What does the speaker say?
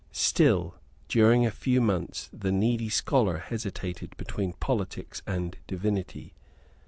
Still, during a few months, the needy scholar hesitated between politics and divinity.